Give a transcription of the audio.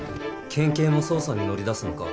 県警も捜査に乗り出すのか。